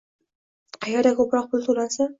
qayerda ko‘proq pul to‘lansa